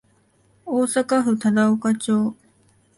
大阪府忠岡町